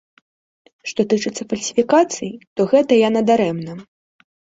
Што тычыцца фальсіфікацый, то гэта яна дарэмна.